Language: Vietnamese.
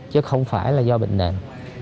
chứ không phải là do bệnh nạn